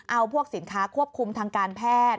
เอาพวกสินค้าควบคุมทางการแพทย์